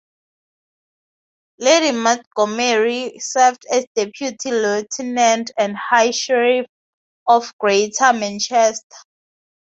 Lady Montgomery served as Deputy Lieutenant and High Sheriff of Greater Manchester.